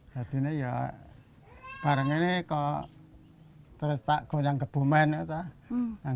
jadi ini ya barangkali ini kok terus tak punya kebumen